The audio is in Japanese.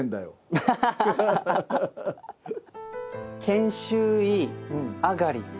研修医上がり。